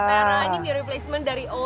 ini dari otara ini mereplacement dari oat